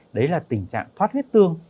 đấy là tình trạng thoát huyết tương